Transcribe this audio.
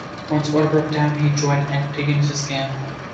Once order broke down he joined Antigonus' camp.